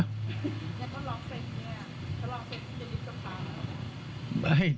ยังต้องลองเซ็นด์อย่างนี้จะลองเซ็นด์ที่จะยุบสะพาหรือเปล่า